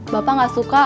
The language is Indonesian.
bapak gak suka